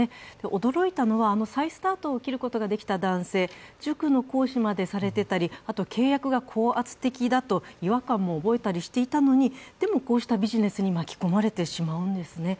驚いたのは再スタートを切ることができた男性塾の講師までされていたり、契約が高圧的だと違和感も覚えていたりしたのに、でもこうしたビジネスに巻き込まれてしまうんですね。